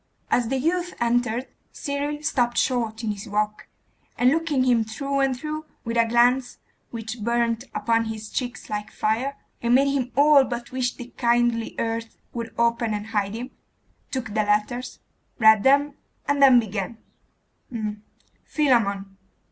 As the youth entered, Cyril stopped short in his walk, and looking him through and through, with a glance which burnt upon his cheeks like fire, and made him all but wish the kindly earth would open and hide him, took the letters, read them, and then began 'Philammon.